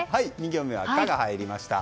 ２行目は「カ」が入りました。